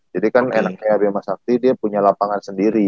jadi kan enaknya bima sakti dia punya lapangan sendiri